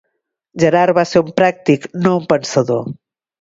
Gerard va ser un pràctic no un pensador.